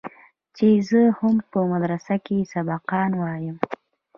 چې زه خو په مدرسه کښې سبقان وايم.